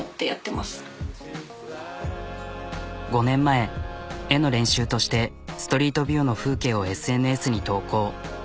５年前絵の練習としてストリートビューの風景をＳＮＳに投稿。